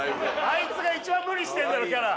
あいつが一番無理してるだろキャラ。